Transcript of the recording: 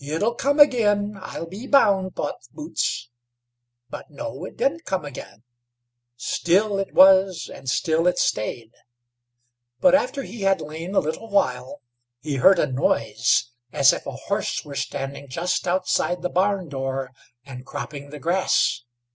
"It'll come again, I'll be bound," thought Boots; but no, it didn't come again; still it was, and still it stayed; but after he had lain a little while, he heard a noise as if a horse were standing just outside the barn door, and cropping the grass.